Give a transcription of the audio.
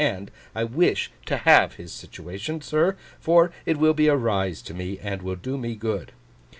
And I wish to have his situation, sir, for it will be a rise to me, and will do me good.